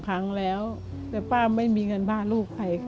พังแล้วแต่ป้าไม่มีเงินพาลูกไปค่ะ